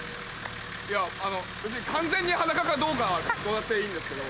いやあの別に完全に裸かどうかはどうだっていいんですけど。